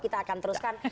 kita akan teruskan